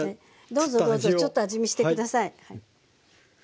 どうぞどうぞちょっと味見して下さい。